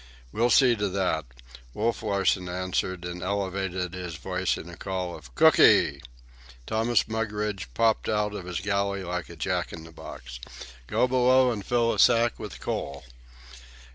"We'll see to that," Wolf Larsen answered, and elevated his voice in a call of "Cooky!" Thomas Mugridge popped out of his galley like a jack in the box. "Go below and fill a sack with coal."